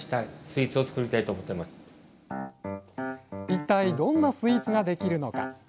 一体どんなスイーツができるのか？